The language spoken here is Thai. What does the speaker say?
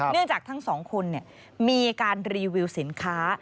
เนื่องจากทั้ง๒คนมีการรีวิวสินค้า